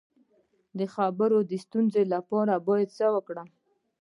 د خبرو د ستونزې لپاره باید څه وکړم؟